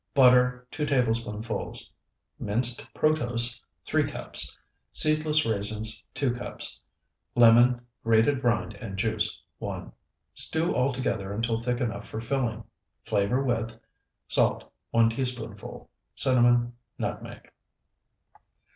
Butter, 2 tablespoonfuls. Minced protose, 3 cups. Seedless raisins, 2 cups. Lemon, grated rind and juice, 1. Stew all together until thick enough for filling. Flavor with Salt, 1 teaspoonful. Cinnamon. Nutmeg.